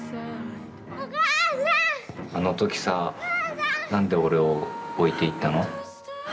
あの時さ何で俺を置いていったの？